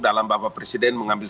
dalam bapak presiden mengambil